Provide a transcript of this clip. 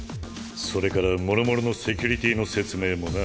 それから諸々のセキュリティーの説明もな。